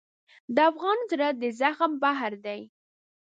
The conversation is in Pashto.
د افغان زړه د زغم بحر دی.